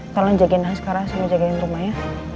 tolong jagain naskara sama jagain rumahnya